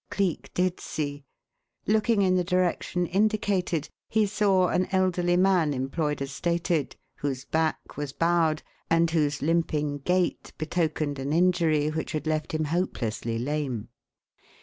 Cleek did see. Looking in the direction indicated, he saw an elderly man employed as stated, whose back was bowed, and whose limping gait betokened an injury which had left him hopelessly lame.